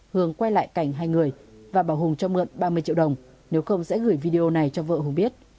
hường quay lại cảnh hai người và bảo hùng cho mượn ba mươi triệu đồng nếu không sẽ gửi video này cho vợ hùng biết